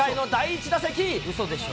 うそでしょ。